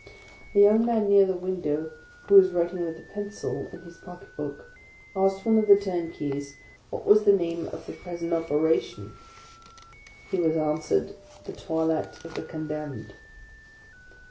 A young man near the window, who was writing with a pencil, in his pocket book, asked one of the turnkeys, what OF A CONDEMNED 95 was the name of the present operation? He was answered " The Toilet of the Condemned."